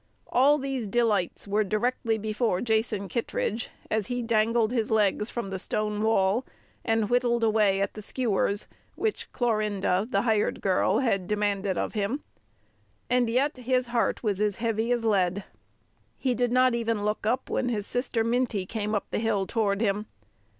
All these delights were directly before Jason Kittredge as he dangled his legs from the stone wall and whittled away at the skewers which Clorinda, the "hired girl," had demanded of him, and yet his heart was as heavy as lead. [Footnote 17: From Harper's Young People, November 22, 1892.] He did not even look up when his sister Minty came up the hill toward him.